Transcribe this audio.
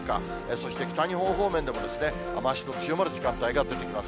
そして北日本方面でも、雨足の強まる時間帯が出てきます。